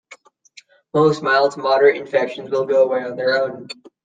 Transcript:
Most mild to moderate infections will go away on their own.